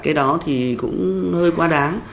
cái đó thì cũng hơi quá đáng